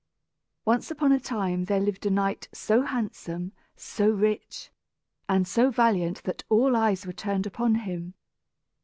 _) Once upon a time there lived a knight so handsome, so rich, and so valiant that all eyes were turned upon him.